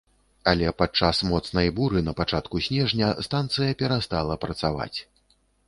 Але падчас моцнай буры на пачатку снежня станцыя перастала працаваць.